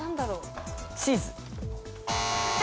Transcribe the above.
チーズ。